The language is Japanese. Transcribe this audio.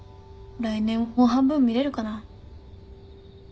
来年もう半分見れるかな？